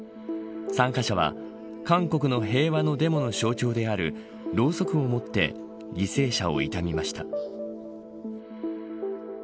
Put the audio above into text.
参加者は韓国の平和のデモの象徴であるろうそくを持って犠牲者を悼みました。